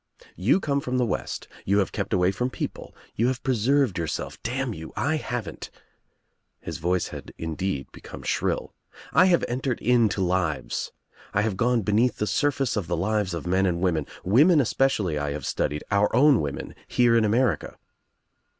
"You come from the West. You have kept away from people. You have pre served yourself — damn youl I haven't —" His voice had indeed become shrill. "I have entered into lives. I have gone beneath the surface of the lives of men and women. Women especially I have studied — our own women, here in America."